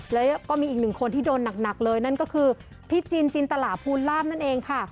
แล้วก็มีอีกหนึ่งคนที่โดนหนักเลยนั่นก็คือพี่จินจินตลาภูลาภนั่นเองค่ะ